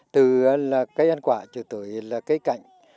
từ là cây ăn quả cho tới là cây cạnh